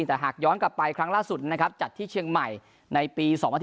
แต่หากย้อนกลับไปครั้งล่าสุดนะครับจัดที่เชียงใหม่ในปี๒๐๑๙